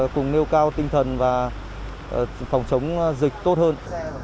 cùng nêu cao tinh thần và phòng chống dịch tốt hơn